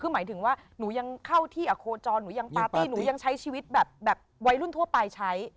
คือหมายถึงว่าหนูยังเข้าที่อโคจรหนูยังปาร์ตี้หนูยังใช้ชีวิตแบบวัยรุ่นทั่วไปใช้